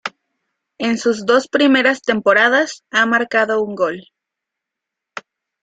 En sus dos primeras temporadas ha marcado un gol.